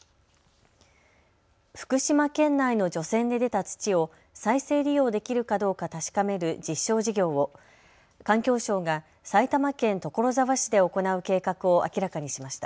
福島県内の除染で出た土を再生利用できるかどうか確かめる実証事業を環境省が埼玉県所沢市で行う計画を明らかにしました。